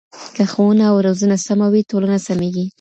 که ښوونه او روزنه سمه وي ټولنه سمېږي.